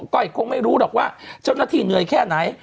้อยคงไม่รู้หรอกว่าเจ้าหน้าที่เหนื่อยแค่ไหน